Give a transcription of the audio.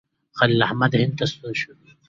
خلیل احمد هند ته ستون شو.